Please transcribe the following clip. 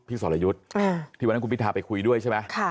พี่สวรรยุทธ์อ่าที่วันนั้นคุณพิธาไปคุยด้วยใช่ไหมค่ะ